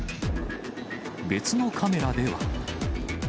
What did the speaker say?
別のカメラでは。